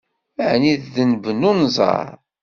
Ɛni d ddenb n unẓar?